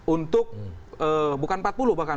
untuk bukan empat puluh bahkan